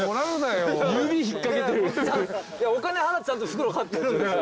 お金払ってちゃんと袋買ってるんです。